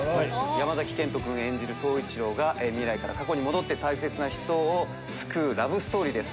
山賢人君演じる宗一郎が未来から過去に戻って大切な人を救うラブストーリーです。